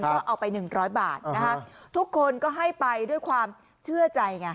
แล้วเอาไป๑๐๐บาททุกคนก็ให้ไปด้วยความเชื่อใจ